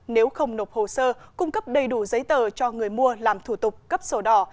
nếu không nộp hồ sơ cung cấp đầy đủ giấy tờ cho người mua làm thủ tục cấp sổ đỏ